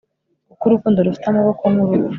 kuko urukundo rufite amaboko nk'urupfu